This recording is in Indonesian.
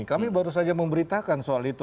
kami baru saja memberitakan soal itu